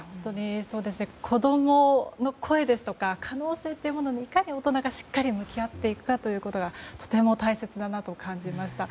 子供の声ですとか可能性というものにいかに大人がしっかり向き合っていくかということが大切だなと感じました。